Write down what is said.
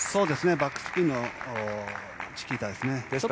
バックスピンのチキータですね。